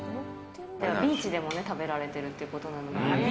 ビーチでも食べられてるってことなのでね。